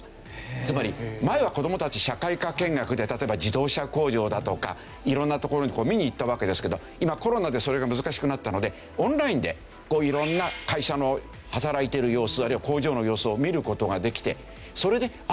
つまり前は子どもたち社会科見学で例えば自動車工場だとか色んな所に見に行ったわけですけど今コロナでそれが難しくなったのでオンラインで色んな会社の働いてる様子あるいは工場の様子を見る事ができてそれであ